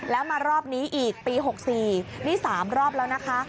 แล้วมารอบนี้อีกปี๖๔นี่๓รอบแล้วนะคะ